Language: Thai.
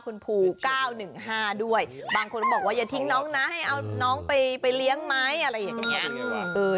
คุณภู๙๑๕ด้วยบางคนก็บอกว่าอย่าทิ้งน้องนะให้เอาน้องไปเลี้ยงไหมอะไรอย่างนี้